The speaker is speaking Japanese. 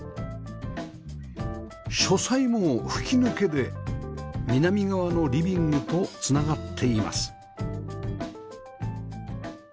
書斎も吹き抜けで南側のリビングと繋がっています